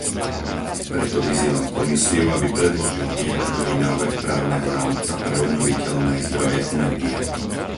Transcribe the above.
Preto vyzývam Komisiu, aby predložila výhľadový návrh právneho rámca pre obnoviteľné zdroje energie.